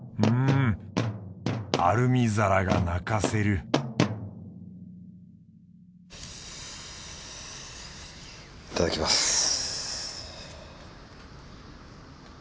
うんアルミ皿が泣かせるいただきます。